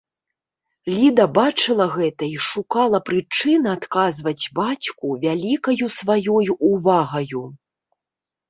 Ліда бачыла гэта і шукала прычын адказваць бацьку вялікаю сваёй увагаю.